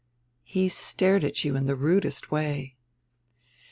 "He stared at you in the rudest way."